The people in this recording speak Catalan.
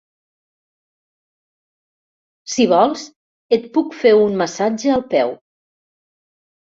Si vols, et puc fer un massatge al peu.